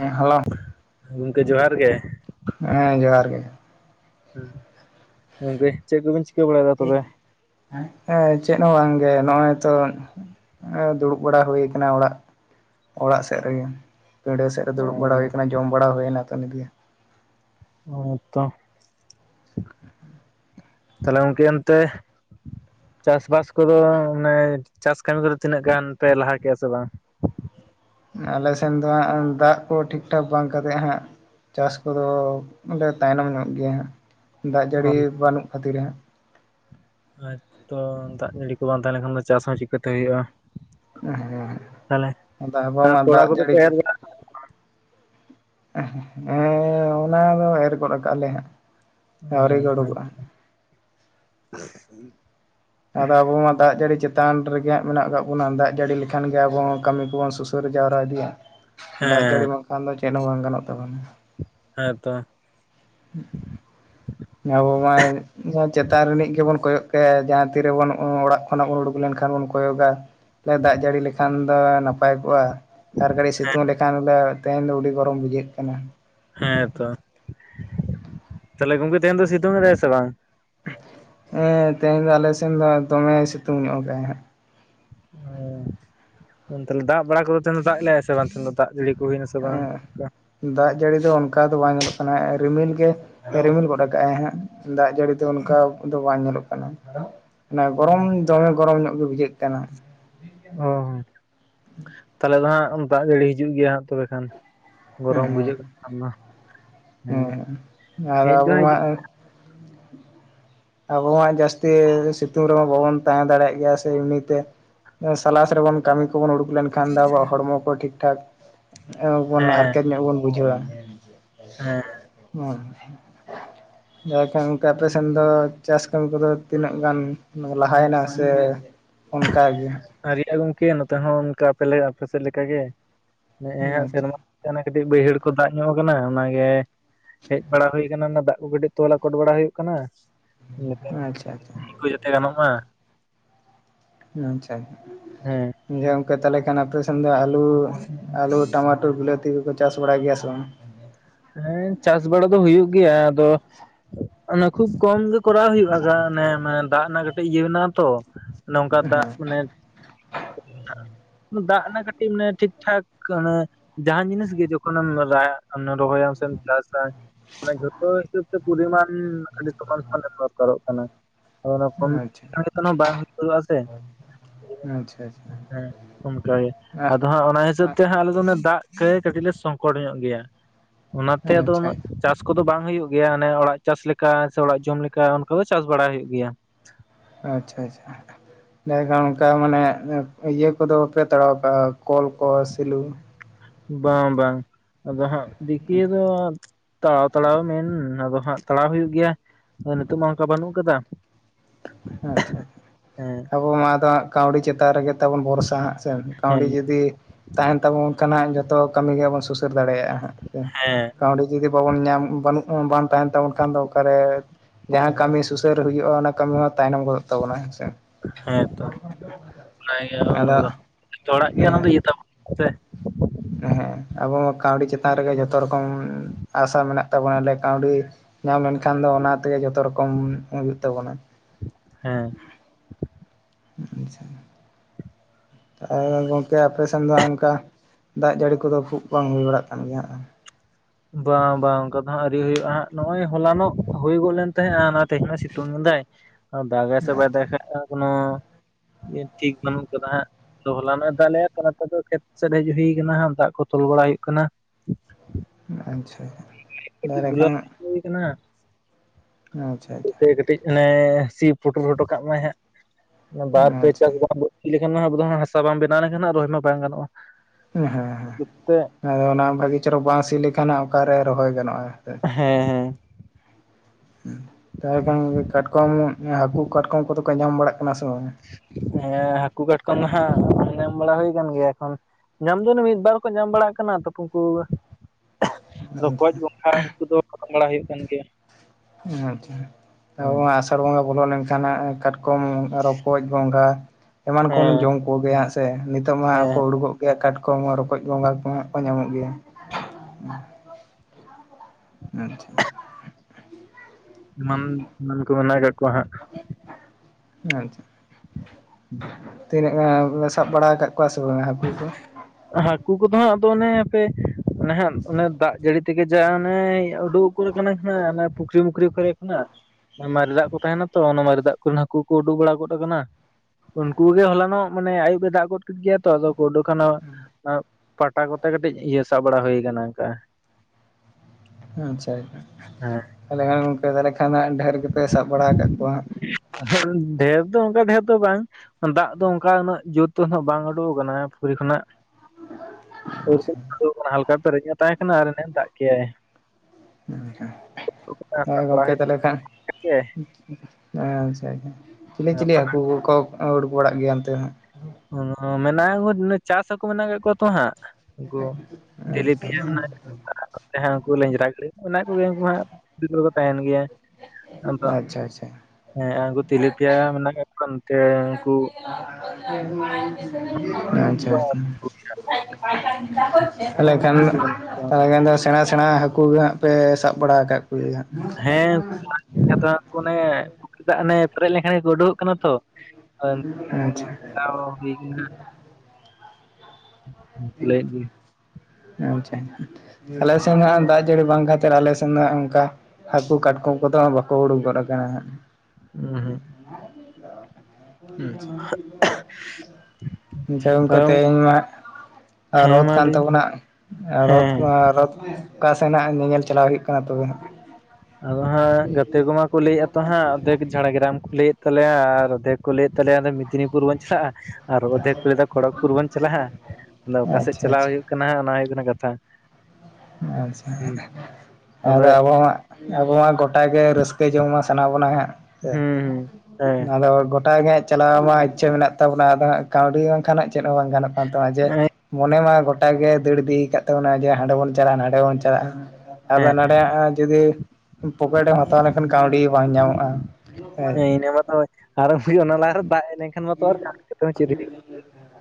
ᱦᱮᱸ ᱦᱮᱞᱳ᱾ ᱦᱮᱸ ᱜᱚᱝᱠᱮ ᱡᱚᱦᱟᱨ ᱜᱮ᱾ ᱦᱮᱸ ᱡᱚᱦᱟᱨ ᱜᱮ᱾ ᱦᱩᱸ ᱜᱚᱝᱠᱮ ᱪᱮᱫ ᱠᱚᱵᱤᱱ ᱪᱤᱠᱟᱹ ᱵᱟᱲᱟᱭᱫᱟ ᱛᱚᱵᱮ? ᱪᱮᱫ ᱦᱚᱸ ᱵᱟᱝ ᱜᱮ ᱱᱚᱜᱚᱭ ᱛᱚ ᱦᱮᱜᱮ ᱫᱩᱲᱩᱵ ᱵᱟᱲᱟ ᱦᱳᱭ ᱠᱟᱱᱟ ᱚᱲᱟᱜ ᱚᱲᱟᱜ ᱥᱮᱫ ᱨᱮᱜᱮ᱾ ᱯᱤᱰᱟᱹ ᱥᱮᱫ ᱨᱮ ᱫᱩᱲᱩᱵ ᱵᱟᱲᱟ ᱦᱳᱭ ᱠᱟᱱᱟ ᱡᱚᱢ ᱵᱟᱲᱟ ᱦᱳᱭᱱᱟ ᱛᱚ ᱱᱤᱛᱜᱮ᱾ ᱦᱮᱸ ᱛᱚ᱾ ᱛᱟᱞᱦᱮ ᱜᱚᱝᱠᱮ ᱚᱱᱛᱮ ᱪᱟᱥ ᱵᱟᱥ ᱠᱚᱫᱚ ᱢᱟᱱᱮ ᱪᱟᱥ ᱠᱟᱹᱢᱤ ᱠᱚᱫᱚ ᱛᱤᱱᱟᱹᱜ ᱜᱟᱱ ᱯᱮ ᱞᱟᱦᱟ ᱠᱮᱜᱟ ᱥᱮ ᱵᱟᱝ? ᱟᱞᱮ ᱥᱮᱱ ᱫᱚ ᱦᱟᱸᱜ ᱫᱟᱜ ᱠᱚ ᱴᱷᱤᱠ ᱴᱷᱟᱠ ᱵᱟᱝ ᱠᱟᱛᱮᱜ ᱦᱟᱸᱜ ᱪᱟᱥ ᱠᱚᱫᱚ ᱛᱟᱭᱱᱚᱢ ᱧᱚᱜ ᱜᱮᱭᱟ ᱦᱟᱸᱜ, ᱫᱟᱜ ᱡᱟᱹᱲᱤ ᱵᱟᱹᱱᱩᱜ ᱠᱷᱟᱹᱛᱤᱨ ᱦᱟᱸᱜ᱾ ᱦᱮᱸ ᱛᱚ ᱫᱟᱜ ᱡᱟᱹᱲᱤ ᱠᱚ ᱵᱟᱝ ᱛᱟᱦᱮᱸ ᱞᱮᱱᱠᱷᱟᱱ ᱫᱚ ᱪᱟᱥ ᱦᱚᱸ ᱪᱤᱠᱟᱹᱛᱮ ᱦᱳᱭᱳᱜ-ᱟ᱾ ᱦᱮᱸ ᱟᱫᱚ ᱟᱵᱚ ᱢᱟ ᱛᱚᱲᱟ ᱫᱟᱜ ᱠᱚᱫᱚ ᱡᱟᱹᱲᱤ ᱯᱮ ᱪᱮ ᱮᱨ ᱵᱟᱲᱟ ᱦᱮᱸ ᱚᱱᱟ ᱫᱚ ᱮᱨ ᱜᱚᱫ ᱠᱟᱜᱟᱞᱮ ᱦᱟᱸᱜ ᱟᱹᱣᱨᱤ ᱜᱮ ᱳᱲᱳᱠᱚᱜ-ᱟ᱾ [inaudible] ᱟᱫᱚ ᱟᱵᱚ ᱢᱟ ᱫᱟᱜ ᱡᱟᱹᱲᱤ ᱪᱮᱛᱟᱱ ᱨᱮᱜᱮ ᱦᱟᱸᱜ ᱢᱮᱱᱟᱜ ᱠᱟᱜ ᱵᱚᱱᱟ, ᱫᱟᱜ ᱡᱟᱹᱲᱤ ᱞᱮᱠᱷᱟᱱ ᱜᱮ ᱟᱵᱚ ᱦᱚᱸ ᱠᱟᱹᱢᱤ ᱠᱚᱵᱚᱱ ᱥᱩᱥᱟᱹ ᱥᱳᱨ ᱡᱟᱣᱨᱟ ᱤᱫᱤᱜᱟ ᱫᱟᱜ ᱡᱟᱹᱲᱤ ᱦᱮᱸ ᱵᱟᱝᱠᱷᱟᱱ ᱫᱚ ᱪᱮᱫ ᱦᱚᱸ ᱵᱟᱝ ᱜᱟᱱᱚᱜ ᱛᱟᱵᱚᱱ-ᱟ᱾ ᱦᱮᱸᱛᱚ ᱟᱵᱚ ᱢᱟᱭ ᱡᱟᱦᱟᱸ ᱪᱮᱛᱟᱱ ᱨᱤᱱᱤᱡ ᱜᱮᱵᱚᱱ ᱠᱚᱭᱚᱜ ᱠᱟᱭᱟ ᱡᱟᱦᱟᱸ ᱛᱤᱨᱮ ᱵᱚᱱ ᱚᱲᱟᱜ ᱠᱷᱚᱱᱟᱜ ᱵᱚᱱ ᱩᱰᱩᱠ ᱞᱮᱱᱠᱷᱟᱱ ᱵᱚᱱ ᱠᱚᱭᱚᱜ-ᱟ ᱛᱟᱞᱦᱮ ᱫᱟᱜ ᱡᱟᱹᱲᱤ ᱞᱮᱠᱷᱟᱱ ᱫᱚ ᱱᱟᱯᱟᱭ ᱠᱚᱜᱟ᱾ ᱟᱨ ᱠᱟᱹᱴᱤᱡ ᱥᱤᱛᱩᱝ ᱞᱮᱠᱷᱟᱱ ᱞᱮ ᱛᱮᱦᱮᱧ ᱫᱚ ᱟᱹᱰᱤ ᱜᱚᱨᱚᱢ ᱵᱩᱡᱷᱟᱹᱜ ᱠᱟᱱᱟ᱾ ᱦᱮᱸ ᱛᱚ ᱛᱟᱞᱦᱮ ᱜᱚᱝᱠᱮ ᱛᱮᱦᱮᱧ ᱫᱚ ᱥᱤᱛᱩᱝ ᱮᱫᱟᱭ ᱥᱮ ᱵᱟᱝ? ᱦᱮᱸ ᱛᱮᱦᱮᱧ ᱫᱚ ᱟᱞᱮ ᱥᱮᱱ ᱫᱚ ᱫᱚᱢᱮ ᱥᱤᱛᱩᱝ ᱧᱚᱜ ᱠᱟᱜᱟᱭ ᱦᱟᱸᱜ᱾ ᱩᱸᱸ ᱛᱟᱦᱞᱮ ᱫᱟᱜ ᱵᱟᱲᱟ ᱠᱚᱫᱚ ᱛᱮᱦᱮᱧ ᱫᱚ ᱫᱟᱜ ᱞᱮᱟᱭ ᱥᱮ ᱵᱟᱝ ᱫᱚ ᱫᱟᱜ ᱡᱟᱹᱲᱤ ᱠᱚ ᱦᱩᱭᱱᱟᱥ ᱵᱟᱝ? ᱫᱟᱜ ᱡᱟᱹᱲᱤ ᱫᱚ ᱚᱱᱠᱟ ᱫᱚ ᱵᱟᱝ ᱧᱮᱞᱚᱜ ᱠᱟᱱᱟ ᱮ ᱨᱤᱢᱤᱞ ᱜᱮ ᱨᱤᱢᱤᱞ ᱜᱚᱫ ᱠᱟᱜᱼᱟᱭ ᱦᱟᱸᱜ, ᱫᱟᱜ ᱡᱟᱹᱲᱤ ᱫᱚ ᱚᱱᱠᱟ ᱫᱚ ᱵᱟᱝ ᱧᱮᱞᱚᱜ ᱠᱟᱱᱟ᱾ ᱚᱱᱟ ᱜᱚᱨᱚᱢ ᱫᱚᱢᱮ ᱜᱚᱨᱚᱢ ᱧᱚᱜ ᱜᱮ ᱵᱩᱡᱷᱟᱹᱜ ᱠᱟᱱᱟ᱾ ᱚ ᱦᱚᱸ ᱛᱟᱦᱚᱞᱮ ᱫᱚ ᱦᱟᱸᱜ ᱫᱟᱜ ᱡᱟᱹᱲᱤ ᱦᱤᱡᱩᱜ ᱜᱮᱭᱟ ᱦᱟᱸᱜ ᱛᱚᱵᱮ ᱠᱷᱟᱱ᱾ ᱦᱮᱸ ᱜᱚᱨᱚᱢ ᱦᱮᱸ ᱵᱩᱡᱷᱟᱹᱜ ᱠᱟᱱ [inaudible] ᱫᱟ ᱦᱮᱸ ᱟᱨ ᱦᱮᱡ ᱫᱚ ᱟᱵᱚ ᱦᱟᱜ ᱦᱤᱡᱩᱜ ᱢᱟ ᱟᱵᱚ ᱢᱟ ᱡᱟᱹᱥᱛᱤ ᱥᱤᱛᱩᱝ ᱨᱮᱦᱚᱸ ᱵᱟᱵᱚᱱ ᱛᱟᱦᱮᱸ ᱫᱟᱲᱮᱭᱟᱜ ᱜᱮᱭᱟ ᱥᱮ ᱮᱢᱱᱤᱛᱮ᱾ ᱥᱟᱞᱟᱥ ᱨᱮᱵᱚᱱ ᱠᱟᱹᱢᱤ ᱵᱚᱱ ᱩᱲᱩᱠ ᱞᱮᱱᱠᱷᱟᱱ ᱫᱚ ᱟᱵᱚᱣᱟᱜ ᱦᱚᱲᱢᱚ ᱠᱚ ᱴᱷᱤᱠ ᱴᱷᱟᱠ ᱵᱚᱱ ᱦᱮᱸ ᱦᱟᱨᱠᱮᱛ ᱧᱚᱜ ᱵᱚᱱ ᱵᱩᱡᱷᱟᱹᱣᱟ᱾ ᱦᱮᱸ [unintelligible] ᱟᱯᱮ ᱥᱮᱱ ᱫᱚ ᱪᱟᱥ ᱠᱟᱹᱢᱤ ᱠᱚᱫᱚ ᱛᱤᱱᱟᱹᱜ ᱜᱟᱱ ᱞᱟᱦᱟᱭ ᱱᱟ ᱥᱮ ᱚᱱᱠᱟ ᱜᱤ? ᱟᱣᱨᱤᱭᱟ ᱜᱚᱝᱠᱮ ᱱᱚᱛᱮ ᱦᱚᱸ ᱚᱱᱠᱟ ᱟᱯᱮ ᱟᱯᱮ ᱥᱮᱫ ᱞᱮᱠᱟ ᱜᱮ ᱱᱮᱜᱼᱮ ᱦᱟᱜ ᱟᱪᱪᱷᱟ ᱥᱮᱨᱢᱟ ᱠᱟᱹᱴᱤᱡ ᱵᱟᱹᱭᱦᱟᱹᱲ ᱠᱚ ᱫᱟᱜ ᱧᱚᱜ ᱟᱠᱟᱱᱟ ᱾ᱚᱱᱟ ᱜᱮ ᱦᱮᱡ ᱵᱟᱲᱟ ᱦᱩᱭ ᱠᱟᱱᱟ ᱚᱱᱟ ᱫᱟᱜ ᱠᱚ ᱠᱟᱹᱴᱤᱡ ᱛᱚᱞ ᱟᱠᱚᱴ ᱵᱟᱲᱟ ᱦᱩᱭᱩᱜ ᱠᱟᱱᱟ᱾ ᱟᱪᱪᱷᱟ ᱟᱪᱪᱷᱟ ᱠᱚ [unintelligible] ᱜᱟᱱᱚᱜ ᱢᱟ᱾ [unintelligible] ᱦᱮᱸ ᱚᱝᱠᱟ ᱛᱟᱦᱚᱞᱮ ᱠᱷᱟᱱ ᱟᱯᱮ ᱥᱚᱱ ᱫᱚ ᱟᱞᱩ ᱟᱞᱩ ᱴᱟᱢᱟᱴᱳ ᱵᱚᱞᱟᱹᱛᱤ ᱴᱤ ᱠᱚ ᱪᱟᱥ ᱵᱟᱲᱟᱭ ᱜᱮᱭᱟ ᱥᱮ ᱵᱟᱝ? ᱦᱮᱸ ᱪᱟᱥ ᱵᱟᱲᱟ ᱫᱚ ᱦᱩᱭᱩᱜ ᱜᱮᱭᱟ ᱟᱫᱚ ᱚᱱᱟ ᱠᱷᱩᱵ ᱠᱚᱢ ᱜᱮ ᱠᱚᱨᱟᱣ ᱦᱩᱭᱩᱜᱼᱟ᱾ ᱚᱱᱮ ᱫᱟᱜ ᱨᱮᱱᱟᱜ ᱠᱟᱹᱴᱤᱡ ᱤᱭᱟᱹ ᱢᱮᱱᱟᱜᱼᱟ ᱛᱚ᱾ ᱱᱚᱝᱠᱟ ᱫᱟᱜ ᱦᱮᱸ ᱚᱱᱮ [inaudible] ᱫᱟᱜ ᱱᱮ ᱠᱟᱹᱴᱤᱡ ᱚᱱᱮ ᱴᱷᱤᱠ ᱴᱷᱟᱠ ᱚᱱᱮ ᱡᱟᱦᱟᱸᱟᱱ ᱡᱤᱱᱤᱥ ᱜᱮ ᱡᱚᱠᱷᱚᱱᱮᱢ ᱨᱟᱭ ᱨᱚᱦᱚᱭᱟᱢ ᱥᱮᱢ ᱪᱟᱥᱟ ᱢᱟᱱᱮ ᱡᱷᱚᱛᱚ ᱦᱤᱥᱟᱹᱵ ᱛᱮ ᱯᱚᱨᱤᱢᱟᱱ ᱟᱹᱰᱤ ᱥᱚᱢᱟᱱ ᱥᱚᱢᱟᱱ ᱮᱢ ᱫᱚᱨᱠᱟᱨᱚᱜ ᱠᱟᱱᱟ᱾ ᱟᱫᱚ ᱚᱱᱟ ᱟᱪᱪᱷᱟ [unintelligible] ᱵᱟᱝ ᱦᱩᱭ ᱜᱚᱫᱚᱜᱼᱟ ᱥᱮ᱾ ᱟᱪᱪᱷᱟ ᱟᱪᱪᱷᱟ ᱦᱮᱸ ᱚᱱᱠᱟᱜᱮ ᱟᱫᱚ ᱦᱟᱸᱜ ᱚᱱᱟ ᱦᱤᱥᱟᱹᱵ ᱛᱮ ᱟᱞᱮ ᱫᱚ ᱫᱟᱜ ᱛᱮ ᱠᱟᱹᱴᱤᱡ ᱞᱮ ᱥᱚᱝᱠᱚᱴ ᱧᱚᱜ ᱜᱮᱭᱟ ᱚᱱᱟᱛᱮ ᱟᱫᱚ ᱟᱪᱪᱷᱟ ᱪᱟᱥ ᱠᱚᱫᱚ ᱵᱟᱝ ᱦᱩᱭᱩᱜ ᱜᱮᱭᱟ, ᱟᱱᱮ ᱚᱲᱟᱜ ᱪᱟᱥ ᱞᱮᱠᱟ ᱥᱮ ᱚᱲᱟᱜ ᱡᱚᱢ ᱞᱮᱠᱟ ᱚᱱᱠᱟ ᱫᱚ ᱪᱟᱥ ᱵᱟᱲᱟ ᱦᱩᱭᱩᱜ ᱜᱮᱭᱟ᱾ ᱟᱪᱪᱷᱟ ᱟᱪᱪᱷᱟ᱾ ᱡᱟᱭᱜᱮ ᱚᱱᱠᱟ ᱢᱟᱱᱮ ᱤᱭᱟᱹ ᱠᱚᱫᱚ ᱵᱟᱯᱮ ᱛᱟᱲᱟᱣ ᱠᱟᱜᱼᱟ᱾ ᱠᱚᱞ ᱠᱚ ᱥᱮᱞᱩ ᱵᱟᱝ ᱵᱟᱝ ᱟᱫᱚ ᱦᱟᱸᱜ ᱫᱤᱠᱷᱤ ᱟᱫᱚ ᱛᱟᱲᱟᱣ ᱛᱟᱲᱟᱣ ᱢᱮᱱ ᱟᱫᱚ ᱦᱟᱸᱜ, ᱛᱟᱲᱟᱣ ᱦᱩᱭᱩᱜ ᱜᱮᱭᱟ, ᱟᱫᱚ ᱱᱤᱛᱳ ᱢᱟ ᱚᱱᱠᱟ ᱵᱟᱹᱱᱩᱜ ᱠᱟᱫᱟ ᱟᱪᱪᱷᱟ᱾ ᱦᱮᱸ ᱟᱵᱚ ᱢᱟ ᱟᱫᱚ ᱦᱟᱸᱜ, ᱠᱟᱹᱣᱰᱤ ᱪᱮᱛᱟᱱ ᱨᱮᱜᱮ ᱛᱟᱵᱚᱱ ᱵᱷᱚᱨᱥᱟ ᱦᱟᱜ ᱥᱮ ᱠᱟᱹᱣᱰᱤ ᱦᱮᱸ ᱡᱩᱫᱤ ᱛᱟᱦᱮᱱ ᱛᱟᱵᱚᱱ ᱠᱷᱟᱱᱟ ᱡᱚᱛᱚ ᱠᱟᱹᱢᱤ ᱜᱮᱵᱚᱱ ᱥᱩᱥᱟᱹᱨ ᱫᱟᱲᱮᱭᱟᱜᱼᱟ᱾ ᱦᱟᱜ ᱥᱮ ᱦᱮᱸ ᱠᱟᱹᱣᱰᱤ ᱡᱩᱫᱤ ᱵᱟᱵᱚᱱ ᱧᱟᱢ ᱵᱟᱱᱩᱜ-ᱟ᱾ ᱵᱟᱝ ᱛᱟᱦᱮᱱ ᱛᱟᱵᱚᱱ ᱠᱷᱟᱱ ᱫᱚ ᱚᱠᱟᱨᱮ ᱡᱟᱦᱟᱸ ᱠᱟᱹᱢᱤ ᱥᱩᱥᱟᱹᱨ ᱦᱩᱭᱩᱜᱼᱟ᱾ ᱚᱱᱟ ᱠᱟᱹᱢᱤ ᱦᱚᱸ ᱛᱟᱭᱱᱚᱢ ᱜᱚᱫᱚᱜ ᱛᱟᱵᱚᱱᱟ ᱦᱮᱸᱥᱮ ᱦᱮᱸᱛᱚ [unintelligible] ᱟᱫᱚ ᱡᱚᱛᱚ ᱦᱚᱲᱟᱜ ᱜᱮ ᱚᱱᱟᱫᱚ ᱦᱮᱸ ᱤᱭᱟᱹ ᱛᱟᱵᱚᱱ ᱛᱮ [unintelligible] ᱦᱮᱸ ᱟᱵᱚ ᱢᱟ ᱠᱟᱹᱣᱰᱤ ᱪᱮᱛᱟᱱ ᱨᱮᱜᱮ ᱡᱷᱚᱛᱚ ᱨᱚᱠᱚᱢ ᱟᱹᱥᱟ ᱢᱮᱱᱟᱜ ᱛᱟᱵᱚᱱᱟ ᱞᱮ ᱠᱟᱹᱣᱰᱤ ᱧᱟᱢ ᱞᱮᱱᱠᱷᱟᱱ ᱫᱚ ᱚᱱᱟ ᱛᱮᱜᱮ ᱡᱷᱚᱛᱚ ᱨᱚᱠᱚᱢ ᱦᱩᱭᱩᱜ ᱛᱟᱵᱚᱱᱟ ᱦᱮᱸ [unintelligible] ᱟᱭ ᱜᱚᱝᱠᱮ ᱟᱯᱮᱥᱚᱱ ᱫᱚ ᱚᱝᱠᱟ ᱫᱟᱜ ᱡᱟᱹᱲᱤ ᱠᱚᱫᱚ ᱠᱷᱩᱵ ᱠᱚᱢ ᱦᱩᱭ ᱵᱟᱲᱟᱜ ᱠᱟᱱ ᱜᱮᱭᱟ ᱦᱟᱜ᱾ ᱵᱟᱝ ᱵᱟᱝ ᱚᱱᱠᱟ ᱫᱚ ᱦᱟᱸᱜ ᱟᱹᱣᱨᱤ ᱦᱩᱭᱩᱜ-ᱟᱜ ᱱᱚᱜ ᱚᱭ ᱦᱚᱞᱟᱱᱚᱜ ᱦᱩᱭ ᱜᱚᱫ ᱞᱮᱱ ᱛᱟᱦᱮᱸᱜ-ᱟ ᱚᱱᱟ ᱛᱮᱦᱮᱧ ᱢᱟ ᱥᱤᱛᱩᱝ ᱫᱟᱭ᱾ ᱟᱨ ᱫᱟᱜᱟᱭ ᱥᱮ ᱵᱟᱭ ᱫᱟᱜᱭ ᱠᱳᱱᱳ ᱴᱷᱤᱠ ᱵᱟᱹᱱᱩᱜ ᱠᱟᱫᱟ ᱦᱟᱸᱜ᱾ ᱛᱚ ᱦᱚᱞᱟᱱᱚᱜ ᱮ ᱫᱟᱞᱮᱜ-ᱟ ᱛᱚ ᱟᱫᱚ ᱚᱱᱟ ᱛᱮᱫᱚ ᱠᱷᱮᱛ ᱥᱮᱫ ᱦᱮᱡ ᱦᱩᱭ ᱠᱟᱱᱟ ᱫᱟᱜ ᱠᱚ ᱛᱚᱞ ᱵᱟᱲᱟ ᱦᱩᱭᱩᱜ ᱠᱟᱱᱟ᱾ ᱟᱪᱪᱷᱟ᱾ ᱫᱟᱨᱮ ᱠᱷᱚᱱ [unintelligible] ᱟᱪᱪᱷᱟ ᱟᱪᱪᱷᱟ᱾ ᱛᱮ ᱠᱟᱹᱴᱤᱡ ᱚᱱᱮ ᱥᱤ ᱯᱩᱚᱴᱩᱨ ᱦᱚᱴᱚ ᱠᱟᱜ ᱢᱟᱭ ᱦᱟᱸᱜ ᱵᱟᱨ ᱯᱮ ᱪᱟᱥ ᱟᱪᱪᱷᱟ ᱥᱤ ᱞᱮᱠᱷᱟᱱ ᱦᱟᱜ ᱟᱵᱚ ᱫᱚ ᱦᱟᱜ ᱦᱟᱥᱟ ᱵᱟᱢ ᱵᱮᱱᱟᱣ ᱞᱮᱱᱠᱷᱟᱱ ᱨᱚᱦᱚᱭ ᱢᱟ ᱵᱟᱝ ᱜᱟᱱᱚᱜ-ᱟ᱾ ᱦᱮᱸ ᱦᱮᱸ ᱟᱫᱚ ᱚᱱᱟ ᱵᱷᱟᱜᱤ ᱪᱚᱨᱚᱠ ᱵᱟᱝ ᱥᱤ ᱞᱮᱠᱷᱟᱱ ᱦᱟᱜ ᱚᱠᱟᱨᱮ ᱨᱚᱦᱚᱭ ᱜᱟᱱᱚᱜ-ᱟ᱾ ᱦᱮᱸᱻ ᱛᱟᱦᱚᱞᱮ ᱠᱷᱟᱱ ᱠᱟᱴᱠᱚᱢ ᱦᱟᱠᱩ ᱠᱟᱴᱠᱚᱢ ᱠᱚᱫᱚ ᱠᱚ ᱧᱟᱢ ᱵᱟᱲᱟᱜ ᱠᱟᱱᱟ ᱥᱮ ᱵᱟᱝ? ᱦᱮᱸ ᱦᱟᱹᱠᱩ ᱠᱟᱴᱠᱚᱢ ᱫᱚ ᱦᱟᱜ ᱧᱟᱢ ᱵᱟᱲᱟ ᱦᱩᱭ ᱟᱠᱟᱱ ᱜᱮᱭᱟ ᱮᱠᱷᱚᱱ᱾ ᱧᱟᱢ ᱫᱚ ᱚᱱᱮ ᱢᱤᱫᱵᱟᱨ ᱠᱚ ᱧᱟᱢ ᱵᱟᱲᱟᱜ ᱠᱟᱱᱟ [unintelligible] ᱨᱚᱠᱚᱡ ᱟᱪᱪᱷᱟ ᱜᱚᱸᱜᱟ ᱩᱱᱠᱩ ᱫᱚ ᱦᱟᱞᱟᱝ ᱵᱟᱲᱟ ᱦᱩᱭᱩᱜ ᱠᱟᱱ ᱜᱮᱭᱟ᱾ ᱟᱪᱪᱷᱟ ᱛᱚ ᱟᱥᱟᱲ ᱵᱚᱸᱜᱟ ᱵᱚᱞᱚ ᱞᱮᱱᱠᱷᱟᱱ ᱦᱟᱜ ᱠᱚᱢ ᱨᱚᱠᱚᱡ ᱜᱚᱸᱜᱟ ᱮᱢᱟᱱ ᱠᱚᱦᱚᱸ ᱦᱮᱸ ᱡᱚᱢ ᱠᱚᱜᱮᱭᱟ ᱦᱟᱸᱜ ᱥᱮ ᱱᱤᱛᱚᱜ ᱢᱟ ᱦᱟᱸᱜ ᱠᱚ ᱦᱮᱸ ᱩᱰᱩᱠᱚᱜ ᱜᱮᱭᱟ ᱠᱟᱴᱠᱚᱢ ᱨᱚᱠᱚᱡ ᱜᱚᱸᱜᱟ ᱠᱚᱢᱟ ᱠᱚ ᱧᱟᱢᱚᱜ ᱜᱮᱭᱟ᱾ ᱟᱪᱪᱷᱟ ᱾ ᱮᱢᱟᱱ ᱮᱢᱟᱱ ᱠᱚ ᱢᱮᱱᱟᱜᱠᱟᱜ ᱠᱚᱣᱟ ᱦᱟᱜ ᱾ [inaudible] [unintelligible] ᱛᱤᱱᱟᱹᱜ ᱜᱟᱱ ᱯᱮ ᱥᱟᱵ ᱵᱟᱲᱟ ᱟᱠᱟᱫ ᱠᱚᱣᱟ ᱥᱮ ᱵᱟᱝᱟ ᱦᱟᱹᱠᱩ ᱠᱚ? ᱦᱟᱹᱠᱩ ᱠᱚᱫᱚ ᱦᱟᱸᱜ ᱟᱫᱚ ᱚᱱᱮᱯᱮ ᱚᱱᱮ ᱦᱟᱸᱜ ᱚᱱᱮ ᱫᱟᱜ ᱡᱟᱹᱲᱤ ᱛᱮᱜᱮ ᱡᱟ ᱚᱱᱮ ᱩᱰᱩᱠ ᱜᱚᱫᱜᱚ ᱟᱠᱟᱱᱟ ᱯᱩᱠᱷᱨᱤ ᱢᱩᱠᱷᱨᱤ ᱠᱚᱨᱮ ᱠᱷᱚᱱᱟᱜ ᱢᱟᱨᱮ ᱫᱟᱜ ᱠᱚ ᱛᱟᱦᱮᱱᱟ ᱛᱚ ᱚᱱᱟ ᱢᱟᱨᱮ ᱫᱟᱜ ᱠᱚ ᱛᱟᱦᱮᱱᱟ ᱛᱚ ᱦᱟᱹᱠᱩ ᱠᱚ ᱩᱰᱩᱠ ᱵᱟᱲᱟ ᱜᱚᱫ ᱟᱠᱟᱱᱟ᱾ ᱩᱱᱠᱩ ᱜᱮ ᱦᱚᱞᱟᱱᱚᱜ ᱢᱟᱱᱮ ᱟᱭᱩᱵ ᱜᱮ ᱫᱟᱜ ᱜᱚᱫ ᱠᱮᱫ ᱜᱮᱭᱟ ᱛᱚ ᱟᱫᱚ ᱠᱚ ᱳᱰᱳᱠᱩ ᱮᱱᱟ ᱾ ᱮᱸ ᱯᱟᱴᱟ ᱠᱚᱛᱮ ᱠᱟᱹᱴᱤᱡ ᱤᱭᱟᱹ ᱥᱟᱵ ᱵᱟᱲᱟ ᱦᱩᱭ ᱠᱟᱱᱟ ᱮᱱᱠᱟ᱾ ᱟᱪᱪᱷᱟ ᱛᱟᱦᱚᱞᱮ ᱠᱷᱟᱱ ᱜᱚᱝᱠᱮ ᱛᱟᱦᱚᱞᱮ ᱠᱷᱟᱱ ᱰᱷᱮᱨ ᱜᱮᱯᱮ ᱥᱟᱵ ᱵᱟᱲᱟ ᱟᱠᱟᱫ ᱠᱚᱣᱟ ᱦᱟᱸᱜ ᱾ ᱰᱷᱮᱨ ᱫᱚ ᱚᱱᱠᱟ ᱰᱷᱮᱨ ᱫᱚ ᱵᱟᱝ᱾ ᱫᱟᱜ ᱫᱚ ᱚᱱᱠᱟ ᱩᱱᱟᱹᱜ ᱡᱳᱨ ᱫᱚ ᱦᱟᱸᱜ ᱵᱟᱝ ᱩᱰᱩᱠ ᱟᱠᱟᱱᱟ ᱯᱩᱠᱷᱨᱤ ᱠᱷᱚᱱᱟᱜ᱾ [unintelligible] ᱦᱟᱞᱠᱟ ᱯᱮᱨᱮᱸᱡᱽ ᱜᱮ ᱛᱟᱦᱮᱸ ᱠᱟᱱᱟ ᱟᱨ ᱮᱱᱮ ᱫᱟᱜ ᱠᱮᱭᱟᱭ᱾ ᱦᱳᱭ ᱜᱚᱝᱠᱮ ᱦᱩᱭ ᱛᱟᱦᱚᱞᱮ ᱠᱷᱟᱱ ᱠᱟᱱ ᱜᱮᱭᱟᱭ ᱟᱪᱪᱷᱟ ᱪᱤᱞᱤ ᱪᱤᱞᱤ ᱦᱟᱹᱠᱩ ᱠᱚᱠᱚ ᱩᱰᱩᱠ ᱵᱟᱲᱟᱜ ᱜᱮᱭᱟ ᱚᱱᱛᱮ ᱦᱟᱸᱜ? ᱚᱸ ᱢᱮᱱᱟᱜ ᱠᱚ ᱛᱤᱱᱟᱹᱜ ᱪᱟᱥ ᱦᱟᱸᱠᱩ ᱢᱮᱱᱟᱜ ᱟᱠᱟᱫ ᱠᱚᱣᱟ ᱛᱚ ᱦᱟᱸᱜ᱾ ᱩᱱᱠᱩ ᱛᱮᱞᱮ ᱯᱤᱭᱟ ᱟᱨ ᱱᱚᱛᱮ ᱦᱟᱸᱜ ᱩᱱᱠᱩ ᱞᱮᱸᱧᱡᱽᱨᱟ ᱜᱟᱹᱲᱟᱹᱭ ᱢᱮᱱᱟᱜ ᱠᱚᱜᱮᱭᱟ ᱩᱱᱠᱩ ᱦᱟᱸᱜ ᱠᱚ ᱛᱟᱦᱮᱱ ᱜᱮᱭᱟ᱾ ᱟᱫᱚ ᱟᱪᱪᱷᱟ ᱟᱪᱪᱷᱟ᱾ ᱦᱮᱸ ᱟᱨ ᱩᱱᱠᱩ ᱛᱮᱞᱮᱯᱤᱭᱟ ᱢᱮᱱᱟᱜ ᱟᱠᱟᱜ ᱠᱚᱣᱟ ᱱᱚᱛᱮ ᱩᱱᱠᱩ [unintelligible] ᱛᱟᱦᱚᱞᱮ ᱠᱷᱟᱱ ᱫᱚ ᱢᱮᱱᱟᱜ ᱠᱚᱣᱟ ᱛᱟᱦᱚᱞᱮ ᱠᱷᱟᱱ ᱫᱚ ᱥᱮᱬᱟ ᱥᱮᱬᱟ ᱦᱟᱹᱠᱩ ᱜᱮ ᱦᱟᱸᱜ ᱯᱮ ᱥᱟᱵ ᱵᱟᱲᱟ ᱟᱠᱟᱜ ᱠᱚᱜᱮᱭᱟ ᱦᱟᱸᱜ ᱾ ᱦᱮᱸ [unintelligible] ᱠᱚᱱᱮ ᱫᱟᱜ ᱚᱱᱮ ᱯᱮᱨᱮᱡᱽ ᱞᱮᱱᱠᱷᱟᱱ ᱜᱮᱠᱚ ᱩᱰᱩᱠᱚᱜ ᱠᱟᱱᱟ ᱛᱚ ᱾ ᱦᱟᱸᱜ ᱟᱪᱪᱷᱟ [unintelligible] ᱦᱟᱸᱜ ᱞᱟᱹᱭᱮᱫ ᱜᱮ ᱟᱪᱪᱷᱟ ᱾ ᱟᱞᱮ ᱥᱮᱱ ᱫᱚ ᱦᱟᱸᱜ ᱫᱟᱜ ᱡᱟᱹᱲᱤ ᱵᱟᱝ ᱠᱷᱟᱹᱛᱤᱨ ᱟᱞᱮ ᱥᱮᱱ ᱫᱚ ᱚᱱᱠᱟ ᱾ ᱦᱟᱹᱠᱩ ᱠᱟᱴᱠᱚᱢ ᱠᱚᱫᱚ ᱦᱟᱸᱜ ᱵᱟᱠᱚ ᱩᱰᱩᱠ ᱜᱚᱫ ᱟᱠᱟᱱᱟ ᱦᱟᱸᱜ᱾ ᱩᱸ ᱦᱩᱸ, [unintelligible] ᱟᱪᱪᱷᱟ, ᱡᱟ ᱜᱚᱝᱠᱮ ᱛᱮᱦᱮᱧ ᱢᱟ ᱦᱟᱸᱜ ᱟᱨ ᱦᱮᱸ ᱨᱚᱛ ᱢᱟ ᱠᱟᱱ ᱞᱟᱹᱭ ᱛᱟᱵᱚᱱᱟᱜ ᱟ ᱦᱮᱸ ᱨᱚᱛ ᱦᱮᱸ ᱢᱟ ᱨᱚᱛ ᱚᱠᱟ ᱥᱮ ᱱᱷᱟᱸᱜ ᱧᱮᱧᱮᱞ ᱪᱟᱞᱟᱣ ᱦᱩᱭᱩᱜ ᱠᱟᱱᱟ ᱛᱚᱵᱮ ᱦᱟᱸᱜ? ᱟᱫᱚ ᱦᱟᱸᱜ ᱜᱟᱛᱮ ᱠᱚᱢᱟ ᱠᱚ ᱞᱟᱹᱭᱮᱜᱼᱟ ᱛᱚ ᱦᱟᱸᱜ ᱟᱫᱷᱮᱠ ᱡᱷᱟᱲᱜᱮᱨᱟᱢ ᱠᱚ ᱞᱟᱹᱭᱮᱫ ᱛᱟᱞᱮᱭᱟ ᱟᱨ ᱟᱫᱷᱮᱠ ᱠᱚ ᱞᱟᱹᱭᱮᱫ ᱛᱟᱞᱮᱭᱟ ᱟᱫᱚ ᱢᱮᱫᱽᱱᱤᱯᱩᱨ ᱵᱚᱱ ᱪᱟᱞᱟᱜᱼᱟ, ᱟᱨ ᱚᱫᱷᱮᱠ ᱠᱚ ᱞᱟᱹᱭ ᱮᱫᱟ ᱠᱷᱚᱲᱚᱜᱽᱯᱩᱨ ᱵᱳᱱ ᱪᱟᱞᱟᱜᱼᱟ, ᱟᱫᱚ ᱚᱠᱟ ᱥᱮᱫ ᱟᱪᱪᱷᱟ ᱪᱟᱞᱟᱣ ᱟᱪᱪᱷᱟ ᱦᱩᱭᱩᱜ ᱠᱟᱱᱟ ᱦᱟᱸᱜ ᱚᱱᱟ ᱦᱩᱭᱩᱜ ᱠᱟᱱᱟ ᱠᱟᱛᱷᱟ᱾ ᱦᱩᱸ ᱟᱪᱪᱷᱟ, ᱟᱫᱚ ᱟᱵᱚ ᱢᱟᱜ ᱟᱵᱚ ᱢᱟ ᱜᱚᱴᱟ ᱜᱮ ᱨᱟᱹᱥᱠᱟᱹ ᱡᱚᱝ ᱢᱟ ᱥᱟᱱᱟ ᱵᱚᱱᱟ ᱦᱟᱸᱜ ᱪᱮᱫ, ᱦᱩᱸ ᱦᱮᱸ ᱟᱫᱚ ᱜᱚᱴᱟ ᱜᱮ ᱦᱟᱡ ᱪᱟᱞᱟᱣ ᱢᱟ ᱤᱪᱪᱷᱟᱹ ᱢᱮᱱᱟᱜ ᱛᱟᱵᱚᱱᱟ ᱟᱫᱚ ᱦᱟᱸᱜ ᱠᱟᱹᱣᱰᱤ ᱵᱟᱝᱠᱷᱟᱱ ᱦᱟᱸᱜ ᱪᱮᱫ ᱦᱚᱸ ᱵᱟᱝ ᱜᱟᱱᱚᱜ ᱠᱟᱱ ᱛᱟᱢᱟ ᱡᱮ ᱦᱮᱸ ᱢᱚᱱᱮ ᱢᱟ ᱜᱚ- ᱴᱟ ᱜᱮ ᱫᱟᱹᱲ ᱤᱫᱤᱭ ᱟᱠᱟᱫ ᱛᱟᱵᱚᱱᱟ ᱡᱮ ᱦᱟᱸᱰᱮ ᱵᱚᱱ ᱪᱟᱞᱟᱜᱼᱟ, ᱱᱷᱟᱸᱰᱮ ᱵᱚᱱ ᱪᱟᱞᱟᱜᱼᱟ, ᱟᱫᱚ ᱦᱮᱸ ᱱᱚᱰᱮ ᱦᱟᱸᱜ ᱮᱸ ᱡᱩᱫᱤ ᱯᱚᱠᱮᱴ ᱮᱢ ᱦᱟᱛᱣᱟ ᱞᱮᱠᱷᱟᱱ ᱠᱟᱹᱣᱰᱤ ᱵᱟᱝ ᱧᱟᱢᱚᱜᱼᱟ᱾ ᱦᱮᱸ ᱤᱱᱟᱹ ᱢᱟᱛᱚᱭ ᱟᱨ ᱦᱚᱸᱢ ᱦᱩᱭᱩᱜᱼᱟ ᱚᱱᱟ ᱞᱟᱦᱟ ᱨᱮ ᱫᱟᱜ ᱤᱱᱟᱹ ᱠᱷᱟᱱ ᱢᱟᱛᱚ ᱟᱨ [unintelligible] ᱪᱮᱫ ᱦᱩᱭᱩᱜ᱾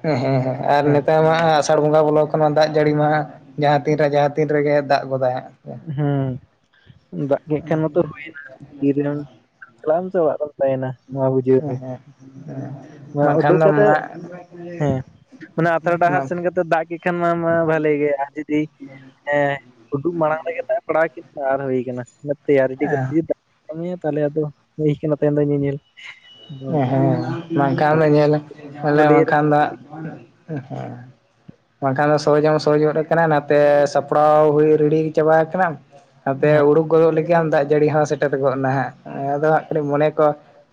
ᱦᱮᱸ ᱦᱮᱸ ᱦᱮᱸ ᱟᱨ ᱱᱮᱛᱟᱨ ᱢᱟ ᱦᱟᱸᱜ ᱟᱥᱟᱲ ᱵᱚᱸᱜᱟ ᱵᱚᱞᱚ ᱠᱟᱱᱟ ᱫᱟᱜ ᱡᱟᱹᱲᱤ ᱢᱟ ᱦᱟᱸᱜ ᱡᱟᱦᱟᱸ ᱛᱤᱱ ᱨᱮ ᱡᱟᱦᱟᱸ ᱛᱤᱱ ᱨᱮᱜᱮ ᱫᱟᱜ ᱜᱚᱫᱟᱭ ᱦᱟᱸᱜ᱾ ᱦᱩᱸ ᱫᱟᱜ ᱜᱮ ᱠᱷᱟᱱ ᱢᱟᱛᱚ ᱦᱩᱭ ᱮᱱᱟ [unintelligible] ᱪᱟᱞᱟᱜ ᱟᱢ ᱵᱟᱝ ᱟᱫᱚ? ᱛᱟᱦᱮᱸᱱᱟ ᱢᱟ ᱵᱩᱡᱷᱟᱹᱣ ᱢᱮ ᱦᱮᱸ ᱦᱮᱸ ᱦᱮᱸ ᱱᱚᱣᱟ ᱵᱟᱝᱠᱷᱟᱱ ᱩᱰᱩᱠ ᱫᱚ ᱢᱟ ᱠᱟᱛᱮᱜ ᱦᱮᱸ ᱦᱮᱸ ᱚᱱᱟ ᱟᱯᱮᱨ ᱰᱟᱦᱟᱨ ᱥᱮᱱ ᱜᱮ ᱛᱚ ᱫᱟᱜ ᱠᱮᱜ ᱠᱷᱟᱱ ᱢᱟ ᱢᱟ ᱵᱷᱟᱞᱮ ᱜᱮᱭᱟ, ᱡᱩᱫᱤ ᱮᱸ ᱩᱰᱩᱜ ᱢᱟᱲᱟᱝ ᱨᱮᱜᱮ ᱫᱟᱜ ᱮ ᱯᱟᱲᱟᱣ ᱠᱮᱫ ᱢᱮᱭᱟ ᱟᱨ ᱦᱩᱭ ᱠᱟᱱᱟ, ᱚᱱᱮ ᱛᱮᱭᱟᱨ ᱨᱮᱰᱤ ᱠᱟᱛᱮ ᱡᱩᱫᱤ ᱫᱟᱜ ᱠᱟᱹᱢᱤᱭᱟ ᱛᱟᱦᱮᱞᱮ ᱟᱫᱚ ᱦᱩᱭ ᱠᱟᱱᱟ ᱛᱮᱦᱮᱧ ᱫᱚ ᱧᱮᱧᱮᱞ᱾ ᱟᱫᱚ ᱮᱸ ᱚᱱᱠᱟ ᱦᱮᱸ ᱵᱟᱝᱠᱷᱟᱱ ᱫᱚ ᱟᱞᱮ ᱧᱮᱞ ᱠᱚ ᱢᱟᱞᱮ ᱞᱟᱹᱭᱫᱟ ᱵᱟᱝᱠᱷᱟᱱ ᱫᱚ ᱦᱟᱸᱜ ᱮᱸ ᱦᱮᱸ ᱵᱟᱝ ᱠᱷᱟᱱ ᱫᱚ ᱥᱳᱡᱽ ᱦᱚᱢ ᱥᱳᱡᱽ ᱜᱚᱫ ᱟᱠᱟᱱᱟ ᱱᱷᱟᱛᱮ ᱥᱟᱯᱲᱟᱣ ᱦᱩᱭ ᱨᱮᱰᱤ ᱪᱟᱵᱟ ᱦᱟᱠᱟᱱᱟᱢ ᱦᱟᱯᱮ ᱦᱮᱸ ᱩᱲᱩᱠ ᱜᱚᱫᱚᱜ ᱞᱟᱹᱜᱤᱫ ᱜᱮ ᱟᱢ ᱫᱟᱜ ᱡᱟᱹᱲᱤ ᱦᱚᱸ ᱥᱮᱴᱮᱨ ᱜᱚᱜ ᱮᱱᱟ ᱦᱮᱸ, ᱮᱸ ᱟᱫᱚ ᱦᱟᱸᱜ ᱠᱷᱟᱹᱞᱤ ᱢᱚᱱᱮ ᱠᱚ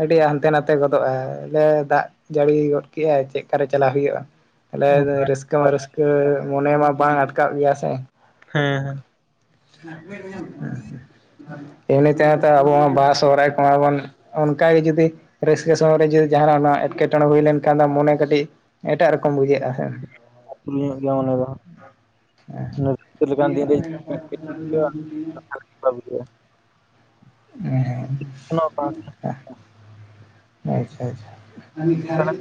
ᱟᱹᱰᱤ ᱦᱟᱱ- ᱛᱮ ᱱᱷᱟᱛᱮ ᱜᱚᱫᱚᱜᱼᱟᱭ, ᱦᱮᱞᱮ ᱫᱟᱜ ᱡᱟᱹᱲᱤ ᱜᱚᱫ ᱠᱮᱜᱼᱟᱭ ᱪᱮᱜ ᱠᱟᱨᱮ ᱪᱟᱞᱟᱣ ᱦᱩᱭᱩᱜᱼᱟ? ᱛᱟᱦᱮᱞᱮᱫ ᱚᱱᱟ ᱨᱟᱹᱥᱠᱟᱹ ᱠᱟᱛᱷᱟ᱾ ᱢᱟ ᱨᱟᱹᱥᱠᱟᱹ ᱢᱚᱱᱮ ᱢᱟ ᱵᱟᱝ ᱟᱴᱠᱟᱣᱼᱜ ᱜᱮᱭᱟ ᱥᱮ, ᱦᱮᱸ ᱦᱮᱸ᱾ ᱦᱮᱸ, ᱤᱱᱟᱹ ᱛᱟᱭᱚᱢ ᱛᱮᱦᱚᱸ ᱟᱵᱚ ᱦᱚᱸ ᱵᱟᱦᱟ ᱥᱚᱦᱨᱟᱭ ᱠᱚᱢᱟ ᱵᱚᱱ ᱚᱱᱠᱟ ᱜᱮ ᱡᱩᱫᱤ ᱨᱟᱹᱥᱠᱟᱹ ᱥᱚᱢᱚᱭ ᱨᱮ ᱡᱩᱫᱤ ᱡᱟᱦᱟᱸᱱᱟᱜ ᱚᱱᱟ ᱮᱴᱠᱮ ᱴᱚᱬᱮ ᱦᱩᱭ ᱞᱮᱱᱠᱷᱟᱱ ᱫᱚ ᱦᱟᱸᱜ ᱢᱚᱱᱮ ᱠᱟᱹᱴᱤᱜ ᱮᱴᱟᱜ ᱨᱚᱠᱚᱢ ᱵᱩᱡᱷᱟᱹᱜ-ᱟ ᱦᱮᱸ᱾ ᱟᱹ ᱯᱩᱱᱭᱟᱹᱜ ᱜᱮᱭᱟ ᱢᱚᱱᱮ ᱫᱚ ᱦᱟᱸᱜ, ᱨᱟᱥᱠᱟᱹ ᱞᱮᱠᱟᱱ ᱫᱤᱱ ᱨᱮ [unintelligible] ᱚᱸᱠᱟ ᱵᱩᱡᱷᱟᱹᱜᱼᱟ᱾ ᱦᱮᱸ ᱦᱮᱸ ᱮᱸᱦ ᱟᱪᱪᱷᱟ ᱟᱪᱪᱷᱟ᱾ ᱟᱹᱢᱤᱡ ᱜᱷᱟᱨᱚᱸᱡᱽ,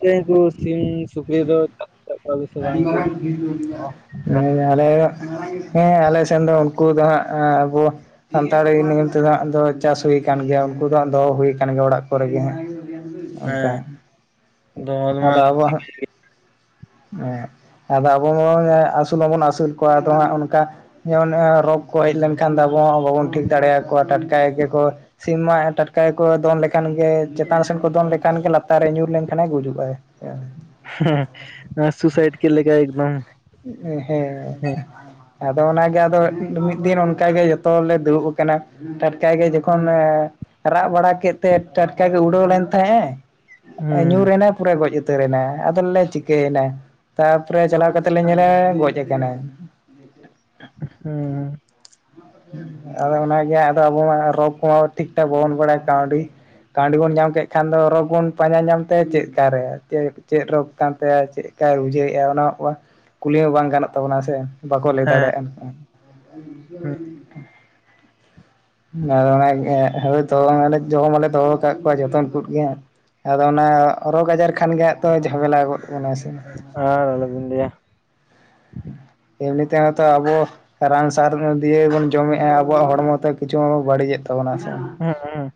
ᱛᱮ ᱫᱚ ᱥᱤᱢ ᱥᱩᱠᱨᱤ ᱫᱚ [unintelligible] ᱟᱹᱰᱤ ᱵᱟᱝ ᱜᱮ? ᱢᱟᱨᱟᱝ ᱵᱤᱨ ᱢᱩᱞᱤᱧᱟᱜᱼᱟᱸ᱾ ᱦᱮᱸᱡᱽ ᱟᱞᱮᱻᱦ ᱦᱮᱸ ᱟᱞᱮ ᱥᱮᱱ ᱫᱚ ᱩᱱᱠᱩ ᱫᱚ ᱦᱟᱸᱜ ᱟᱵᱚ ᱥᱟᱱᱛᱟᱲᱤ ᱱᱤᱭᱳᱢ ᱛᱮᱫᱚ ᱦᱟᱸᱜ ᱫᱚ ᱪᱟᱥ ᱦᱩᱭ ᱠᱟᱱ ᱜᱮᱭᱟ, ᱩᱱᱠᱩ ᱫᱚ ᱦᱟᱸᱜ ᱫᱚᱦᱚ ᱦᱩᱭ ᱠᱟᱱ ᱜᱮᱭᱟ ᱚᱲᱟᱜ ᱠᱚᱨᱮ ᱜᱮ ᱦᱟᱸᱜ᱾ ᱚᱸᱠᱟ, ᱦᱮᱸ ᱫᱚᱢᱮᱞ ᱟᱫᱚ ᱢᱟᱞ ᱟᱵᱚ ᱦᱟᱸᱜ ᱮᱸ ᱟᱫᱚ ᱟᱵᱚ ᱢᱟ ᱢᱟ ᱮᱸ ᱟᱹᱥᱩᱞ ᱢᱟ ᱵᱚᱱ ᱟᱹᱥᱩᱞ ᱠᱚᱣᱟ ᱟᱫᱚ ᱦᱟᱸᱜ ᱚᱱᱠᱟ ᱡᱮᱢᱚᱱ ᱮᱸ ᱨᱳᱜᱽ ᱠᱚ ᱦᱮᱡ ᱞᱮᱱᱠᱷᱟᱱ ᱫᱚ ᱟᱵᱚ ᱦᱚᱸ ᱵᱟᱵᱚᱱ ᱴᱷᱤᱠ ᱫᱟᱲᱮᱭᱟ ᱠᱚᱣᱟ ᱴᱟᱴᱠᱟᱭ ᱜᱮᱠᱚ ᱥᱤᱢ ᱢᱟᱜ ᱴᱟᱴᱠᱟᱭ ᱠᱚ, ᱫᱚᱱ ᱞᱮᱠᱷᱟᱱ ᱜᱮ ᱪᱮᱛᱟᱱ ᱥᱮᱱ ᱠᱚ ᱫᱚᱱ ᱞᱮᱠᱷᱟᱱ ᱜᱮ ᱞᱟᱛᱟᱨ ᱨᱮ ᱧᱩᱨ ᱞᱮᱱᱠᱷᱟᱱ ᱜᱩᱡᱩᱜᱟᱭ᱾ [unintelligible] ᱦᱮᱸ ᱥᱩᱥᱟᱭᱤᱴ ᱠᱮᱫ ᱞᱮᱠᱟ ᱮᱠᱫᱚᱢ᱾ ᱦᱮᱸ ᱟᱫᱚ ᱚᱱᱟᱜᱮ ᱟᱫᱚ ᱢᱤᱫ ᱫᱤᱱ ᱚᱱᱠᱟᱜᱮ ᱡᱚᱛᱚ ᱞᱮ ᱫᱩᱲᱩᱵ ᱠᱟᱱᱟ᱾ ᱴᱟᱴᱠᱟᱜ ᱜᱮ ᱡᱚᱠᱷᱚᱱ ᱨᱟᱜ ᱵᱟᱲᱟ ᱠᱮᱫ ᱛᱮ ᱴᱟᱴᱠᱟᱜ ᱜᱮ ᱩᱰᱟᱹᱣ ᱞᱮᱱ ᱛᱮᱦᱮ ᱮ ᱧᱩᱨ‌ ᱦᱩᱸ ᱮᱱᱟ ᱯᱩᱨᱟᱭ ᱜᱚᱡ ᱩᱛᱟᱹᱨᱮ ᱮᱱᱟ ᱟᱫᱚᱞᱮ ᱪᱤᱠᱟᱹᱭᱮᱱᱟᱭ ᱛᱟᱯᱚᱨᱮ ᱪᱟᱞᱟᱣ ᱠᱟᱛᱮ ᱛᱮᱞᱮ ᱧᱮᱞᱟ ᱜᱚᱡ ᱠᱟᱱᱟᱭ ᱦᱩᱸ᱾ ᱟᱫᱚ ᱚᱱᱟᱜᱮ ᱟᱫᱚ ᱟᱵᱚ ᱢᱟ ᱨᱳᱜ ᱠᱚᱢᱟ ᱴᱷᱤᱠ ᱴᱷᱟᱠ ᱵᱟᱵᱚᱱ ᱵᱟᱲᱟᱭᱟ ᱠᱟᱹᱣᱰᱤ ᱠᱟᱹᱣᱰᱤ ᱵᱚᱱ ᱧᱟᱢ ᱠᱮᱫ ᱠᱷᱟᱱ ᱫᱚ ᱨᱳᱜᱽ ᱵᱚᱱ ᱯᱟᱸᱡᱟ ᱧᱟᱢ ᱛᱟᱭᱟ, ᱪᱮᱫ ᱠᱟᱨᱮ ᱪᱮᱫ ᱨᱳᱜᱽ ᱠᱟᱱ ᱛᱟᱭᱟ ᱪᱮᱫ ᱠᱟᱭ ᱵᱩᱡᱷᱟᱹᱣᱮᱫ-ᱟ᱾ ᱚᱱᱟ ᱠᱩᱞᱤ ᱦᱚᱸ ᱵᱟᱝ ᱜᱟᱱᱚᱜ ᱛᱟᱵᱚᱱᱟ ᱥᱮ ᱵᱟᱠᱚ ᱞᱟᱹᱭ ᱫᱟᱲᱮᱭᱟᱜ-ᱟ᱾ ᱦᱩᱸ [unintelligible] ᱚᱱᱟᱜᱮ ᱦᱳᱭᱛᱚ ᱚᱱᱟ ᱡᱚᱢ ᱢᱟᱞᱮ ᱫᱚᱦᱚ ᱟᱠᱟᱫ ᱠᱚᱣᱟ ᱡᱚᱛᱚᱱ ᱠᱚᱫ ᱜᱮ ᱦᱟᱜ ᱟᱫᱚ ᱚᱱᱟ ᱨᱳᱜᱽ ᱟᱡᱟᱨ ᱠᱷᱟᱱ ᱜᱮ ᱦᱟᱸᱜ ᱛᱚ ᱡᱷᱟᱢᱮᱞᱟ ᱜᱚᱫ ᱵᱚᱱᱟ ᱥᱮ᱾ ᱟᱨ ᱟᱞᱚ ᱵᱤᱱ ᱞᱟᱹᱭ ᱟ᱾ ᱮᱢᱱᱤ ᱛᱮ ᱦᱚᱛᱚ ᱟᱵᱚ ᱨᱟᱱ ᱥᱟᱨ ᱫᱤᱭᱮ ᱵᱚᱱ ᱡᱚᱢᱮᱫ-ᱟ᱾ ᱟᱵᱚᱣᱟᱜ ᱦᱚᱲᱢᱚ ᱛᱮ ᱠᱤᱪᱷᱩ ᱵᱟᱹᱲᱤᱡᱮᱫ ᱛᱟᱵᱚᱱᱟ ᱥᱮ ᱦᱩᱩᱸᱸ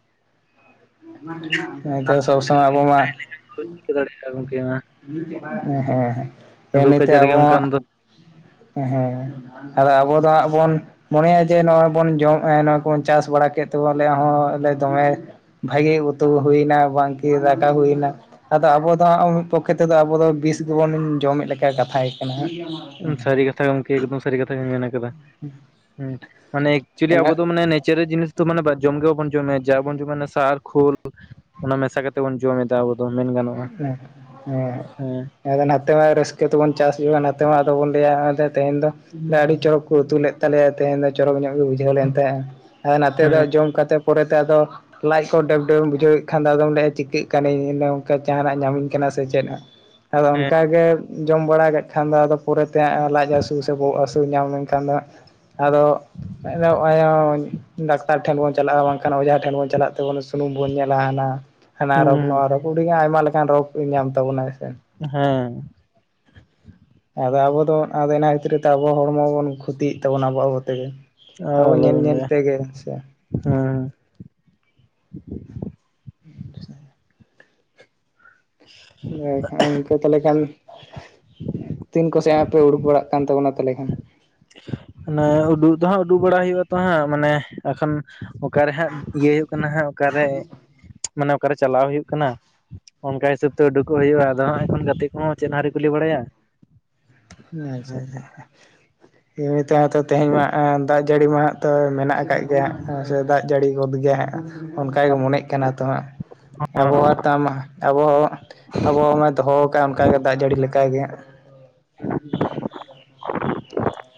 ᱥᱚᱵ ᱥᱚᱢᱚᱭ ᱟᱵᱚ ᱢᱟ ᱵᱟᱹᱧ ᱪᱤᱠᱟᱹ ᱫᱟᱲᱮᱭᱟᱜᱼᱟ ᱜᱚᱝᱠᱮ ᱚᱱᱟ ᱦᱮᱸᱦᱮᱸ ᱨᱳᱜᱽ ᱮᱢᱱᱤᱛᱮ ᱟᱡᱟᱨ ᱜᱮ ᱟᱵᱚ ᱢᱟ ᱚᱱᱠᱟᱱ ᱫᱚ ᱦᱮᱸ ᱟᱵᱚ ᱫᱚ ᱦᱟᱸᱜ ᱵᱚᱱ ᱢᱚᱱᱮᱭᱟ ᱡᱮ ᱱᱚᱜ-ᱚᱭ ᱵᱚᱱ, ᱡᱚᱢ ᱱᱚᱜᱚᱭ ᱠᱚᱵᱚᱱ ᱪᱟᱥ ᱵᱟᱲᱟ ᱠᱮᱫ ᱛᱮᱵᱚᱱ ᱟᱞᱮ ᱦᱚᱸ ᱟᱞᱮ ᱫᱚᱢᱮ ᱵᱷᱟᱜᱤ ᱩᱛᱩ ᱦᱩᱭᱱᱟᱵᱱᱟ ᱵᱟᱝᱠᱤ ᱫᱟᱠᱟ ᱦᱩᱭᱱᱟ ᱟᱫᱚ ᱟᱵᱚ ᱫᱟᱸᱜ ᱢᱤᱫ ᱯᱚᱠᱠᱷᱮ ᱛᱮᱫᱚ ᱟᱵᱚ ᱫᱚ ᱵᱤᱥ, ᱜᱮᱵᱚᱱ ᱡᱚᱢᱮᱫ ᱞᱮᱠᱟ ᱠᱟᱛᱷᱟᱭ ᱠᱟᱱᱟ ᱥᱟᱹᱨᱤ ᱠᱟᱛᱷᱟ ᱜᱮ ᱜᱚᱝᱠᱮ ᱮᱠᱫᱚᱢ ᱥᱟᱹᱨᱤ ᱠᱟᱛᱷᱟ ᱜᱮᱧ ᱢᱮᱱ ᱠᱟᱫᱟ ᱦᱩᱸ ᱢᱟᱱᱮ ᱮᱠᱪᱩᱭᱮᱞᱤ ᱟᱵᱚ ᱤᱱᱟᱹᱜ ᱫᱚ ᱢᱟᱱ ᱱᱮᱪᱟᱨ ᱡᱤᱱᱤᱥ ᱢᱟᱱᱮ ᱡᱚᱢ ᱜᱮ ᱵᱟᱵᱚᱱ ᱡᱚᱢᱟ ᱡᱟ ᱵᱚᱱ ᱡᱚᱢᱟ ᱚᱱᱟ ᱥᱟᱨ ᱠᱷᱳᱞ ᱚᱱᱟ ᱢᱮᱥᱟ ᱠᱟᱛᱮ ᱵᱚᱱ ᱡᱚᱢᱮᱫ ᱟᱵᱚ ᱫᱚ ᱢᱮᱱ ᱜᱟᱱᱚᱜᱼᱟ᱾ ᱦᱮᱸ ᱦᱮᱸ [unintelligible] ᱱᱟᱛᱮ ᱦᱚᱸ ᱨᱟᱹᱥᱠᱟᱹ ᱛᱮᱵᱚᱱ ᱪᱟᱥ ᱡᱚᱝ ᱱᱟᱛᱮ ᱢᱟ ᱵᱚᱱ ᱞᱟᱹᱭ ᱟ ᱛᱮᱦᱮᱧ ᱫᱚ ᱟᱹᱰᱤ ᱪᱚᱨᱚᱠ ᱠᱚ ᱩᱛᱩ ᱞᱮᱫ ᱛᱟᱞᱮᱭᱟ ᱛᱮᱦᱮᱧ ᱫᱚ ᱪᱚᱨᱚᱠ ᱧᱚᱜ ᱜᱮ ᱵᱩᱡᱷᱟᱹᱣ ᱞᱮᱱ ᱛᱟᱦᱮᱸᱟ ᱟᱨ ᱱᱟᱛᱮ ᱫᱚ ᱦᱮᱸ ᱡᱚᱢ ᱠᱟᱛᱮᱫ ᱯᱚᱨᱮᱛᱮ ᱟᱫᱚ ᱞᱟᱡ ᱠᱚ ᱰᱮᱢ ᱰᱮᱢ ᱵᱩᱡᱷᱟᱹᱣᱮᱫ ᱠᱷᱟᱱ, ᱫᱚ ᱟᱫᱚᱢ ᱞᱟᱹᱭᱮᱫ-ᱟ ᱪᱤᱠᱟᱹᱜ ᱠᱟᱱᱤᱧ ᱤᱱᱟᱹ ᱚᱱᱠᱟ ᱡᱟᱦᱟᱱᱟᱜ ᱧᱟᱢᱤᱧ ᱠᱟᱱᱟ ᱥᱮ ᱪᱮᱫ, ᱟᱫᱚ ᱦᱮᱸ ᱚᱱᱠᱟᱜᱮ ᱡᱚᱢ ᱵᱟᱲᱟ ᱠᱷᱟᱱ ᱫᱚ ᱟᱫᱚ ᱯᱚᱨᱮᱛᱮ, ᱞᱟᱡ ᱦᱟᱹᱥᱩ, ᱥᱮ ᱵᱚᱦᱚᱜ ᱦᱟᱹᱥᱩ, ᱧᱟᱢ ᱞᱮᱱᱠᱷᱟᱱ ᱫᱚ ᱦᱟᱸᱜ ᱟᱫᱚ [unintelligible] ᱰᱟᱠᱛᱟᱨ ᱴᱷᱮᱱ ᱵᱚᱱ ᱪᱟᱞᱟᱜ-ᱟ᱾ ᱵᱟᱝᱠᱷᱟᱱ ᱚᱡᱷᱟ ᱴᱷᱮᱱ ᱵᱚᱱ ᱪᱟᱞᱟᱜ ᱛᱮᱵᱚᱱ ᱥᱩᱱᱩᱢ ᱵᱚᱱ ᱧᱮᱞᱟᱱᱟ ᱦᱟᱱᱟ ᱨᱳᱜᱽ ᱦᱮᱸ ᱱᱚᱣᱟ ᱨᱳᱜᱽ ᱩᱰᱤ ᱟᱭᱢᱟ ᱞᱮᱠᱟᱱ ᱨᱳᱜᱽ ᱧᱟᱢ ᱛᱟᱵᱚᱱᱟ ᱥᱮ ᱦᱮᱸ ᱟᱫᱚ ᱟᱵᱚ ᱫᱚ ᱟᱫᱚ ᱚᱱᱟ ᱠᱷᱟᱹᱛᱤᱨ ᱛᱮ ᱟᱵᱚ ᱦᱚᱲᱢᱚ ᱵᱚᱱ ᱠᱷᱚᱛᱤᱭᱮᱫ ᱛᱟᱵᱚᱱᱟ ᱟᱵᱳ ᱟᱵᱳ ᱛᱮᱜᱮ ᱟᱫᱚ ᱧᱮᱞ ᱧᱮᱞ ᱛᱮᱜᱮ ᱥᱮ ᱦᱩᱸ [unintelligible] [unintelligible] ᱟᱫᱟ ᱛᱟᱦᱚᱞᱮ ᱠᱷᱟᱱ ᱛᱤᱱ ᱠᱚᱥᱮᱜ ᱯᱮ ᱩᱲᱩᱠ ᱵᱟᱲᱟᱜ ᱠᱟᱱ ᱛᱟᱵᱚᱱᱟ, ᱛᱟᱦᱚᱞᱮ ᱠᱷᱟᱱ ᱦᱟᱜ ᱟᱱᱮ ᱩᱰᱩᱠ ᱫᱚ ᱦᱟᱸᱜ ᱩᱰᱩᱠ ᱵᱟᱲᱟ ᱦᱩᱭᱩᱜ ᱟᱛᱚ ᱦᱟᱸᱜ ᱢᱟᱱᱮ ᱮᱠᱷᱚᱱ ᱚᱠᱟᱨᱮ ᱦᱟᱸᱜ ᱤᱭᱟᱹ ᱦᱩᱭᱩᱜ ᱠᱟᱱᱟ ᱦᱟᱸᱜ ᱚᱠᱟᱨᱮ ᱢᱟᱱᱮ ᱚᱠᱟᱨᱮ ᱪᱟᱞᱟᱣ ᱦᱩᱭᱩᱜ ᱠᱟᱱᱟ᱾ ᱚᱱᱠᱟ ᱦᱤᱥᱟᱹᱵ ᱛᱮ ᱩᱰᱩᱠᱚᱜ ᱦᱩᱭᱩᱜ-ᱟ᱾ ᱟᱫᱚ ᱦᱟᱸᱜ ᱮᱠᱷᱚᱱ ᱜᱟᱛᱮᱜ ᱠᱚᱦᱚᱸ ᱪᱮᱫᱦᱚᱸ ᱟᱣᱨᱤ ᱠᱚ ᱞᱟᱹᱭ ᱵᱟᱲᱟᱭᱟ᱾ ᱟᱪᱪᱷᱟ ᱦᱮᱸ ᱟᱪᱪᱷᱟ᱾ ᱮᱢᱱᱤ ᱛᱮᱦᱚᱸ ᱛᱚ ᱛᱮᱦᱮᱧ ᱢᱟ ᱮᱸ ᱫᱟᱜ ᱡᱟᱹᱲᱤ ᱢᱟ ᱦᱟᱸᱜ ᱛᱚ ᱢᱮᱱᱟᱜ ᱟᱠᱟᱫ ᱜᱮᱭᱟ ᱦᱟᱸᱜ ᱥᱮ ᱫᱟᱜ ᱡᱟᱹᱲᱤ ᱜᱚᱫ ᱜᱮᱭᱟ ᱦᱟᱸᱜ᱾ ᱚᱱᱠᱟᱜᱮ ᱢᱚᱱᱮᱜ ᱠᱟᱱᱟ ᱛᱚ ᱦᱟᱸᱜ ᱟᱵᱚᱦᱟᱣᱟ ᱛᱟᱢ ᱟᱵᱚᱦᱟᱣᱟ ᱟᱵᱚᱦᱟᱣᱟ ᱢᱟᱭ ᱫᱚᱦᱚᱣ ᱟᱠᱟᱫᱼᱟ ᱚᱱᱠᱟᱜᱮ ᱫᱟᱜ ᱡᱟᱹᱲᱤ ᱞᱮᱠᱟᱜᱮ ᱦᱟᱸᱜ᱾ [inaudible]